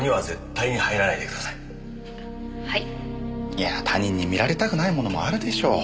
いや他人に見られたくないものもあるでしょう。